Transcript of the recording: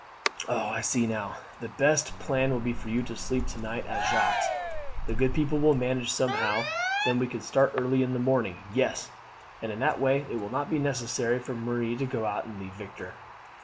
"Oh, I see now! The best plan will be for you all to sleep to night at Jacques'. The good people will manage somehow; then we can start early in the morning. Yes, and in that way it will not be necessary for Marie to go out and leave Victor."